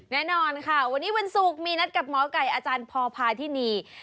แน่นอนค่ะวันนี้วันศุกร์มีนัดกับหมอไก่อาจารย์พอพาทินี